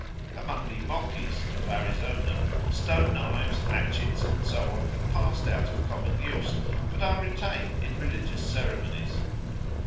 Amongst the Moquis of Arizona stone knives, hatchets, and so on have passed out of common use, but are retained in religious ceremonies.